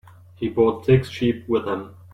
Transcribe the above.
He brought six sheep with him.